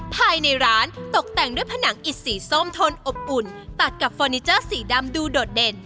ภายในร้านตกแต่งด้วยผนังอิดสีส้มทนอบอุ่นตัดกับเฟอร์นิเจอร์สีดำดูโดดเด่น